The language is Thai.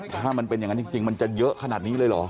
ถ้ามันเป็นอย่างนั้นจริงมันจะเยอะขนาดนี้เลยเหรอ